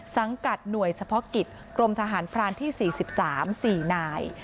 สังกัดหน่วยเฉพาะกิจกรมทหารพรานที่๔๓๔นาย